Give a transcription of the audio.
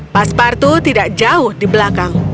pastor patu tidak jauh di belakang